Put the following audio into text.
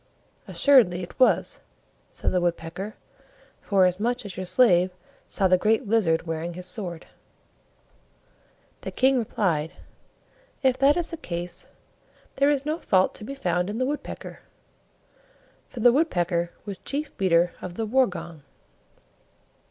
"Assuredly it was," said the Woodpecker, "forasmuch as your slave saw the Great Lizard wearing his sword." The King replied, "If that is the case, there is no fault to be found in the Woodpecker" (for the Woodpecker was Chief Beater of the War gong).